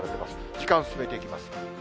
時間進めていきます。